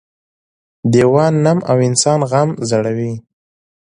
- دیوال نم او انسان غم زړوي.